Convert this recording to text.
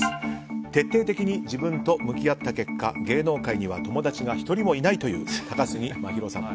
徹底的に自分と向き合った結果芸能界には友達が１人もいないという高杉真宙さん。